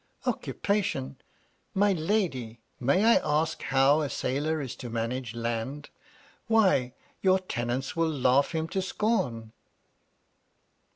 " Occupation ! My lady, may I ask how a sailor is to manage land? Why, your tenants will laugh him to scorn."